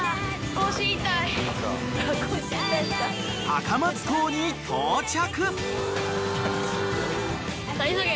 ［高松港に到着］